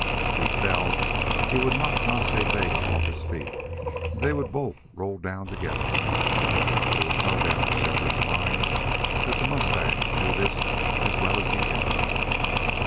If he fell he would knock Nas Ta Bega off his feet and they would both roll down together. There was no doubt in Shefford's mind that the mustang knew this as well as the Indian.